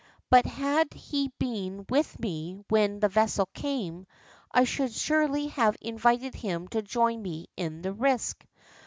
But, had he been with me when the vessel came, I should surely have invited him to join me in the risk.